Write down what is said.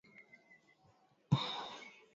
mahitaji katika kupika viazi lishe